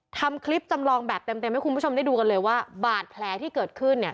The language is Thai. ทำคลิปจำลองแบบเต็มให้คุณผู้ชมได้ดูกันเลยว่าบาดแผลที่เกิดขึ้นเนี่ย